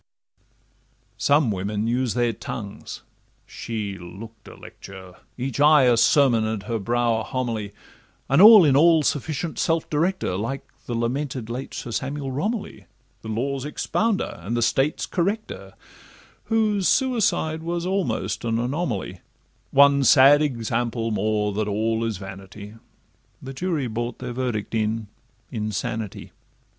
Some women use their tongues—she look'd a lecture, Each eye a sermon, and her brow a homily, An all in all sufficient self director, Like the lamented late Sir Samuel Romilly, The Law's expounder, and the State's corrector, Whose suicide was almost an anomaly— One sad example more, that 'All is vanity' (The jury brought their verdict in 'Insanity').